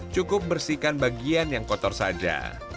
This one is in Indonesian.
cukup bersihkan bagian yang kotor saja